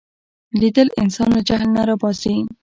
لیدل انسان له جهل نه را باسي